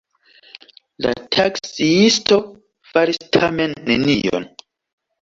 La taksiisto faris tamen nenion.